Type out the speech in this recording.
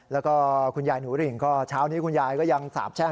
แล้วก็คุณยายหนูริ่งก็เช้านี้คุณยายก็ยังสาบแช่ง